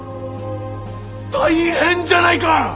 大変じゃないか！